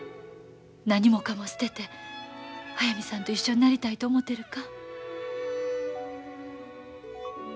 何もかも捨てて速水さんと一緒になりたいと思てるか？